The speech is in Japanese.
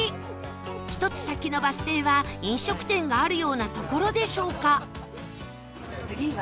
１つ先のバス停は飲食店があるような所でしょうか？